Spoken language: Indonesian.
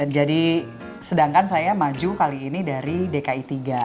jadi sedangkan saya maju kali ini dari dki tiga